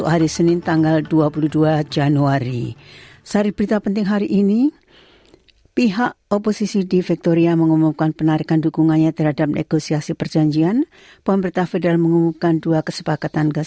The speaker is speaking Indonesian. anda bersama sbs bahasa indonesia